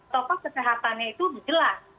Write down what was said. toko kesehatannya itu jelas